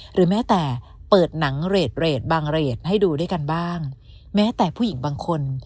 หรือแม้แต่เปิดหนังเรทเรทบางเรทให้ดูด้วยกันบ้างแม้แต่ผู้หญิงบางคน